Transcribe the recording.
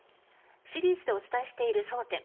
シリーズでお伝えしている争点。